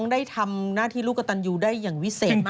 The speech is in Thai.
ได้ทำหน้าที่ลูกกระตันยูได้อย่างวิเศษมาก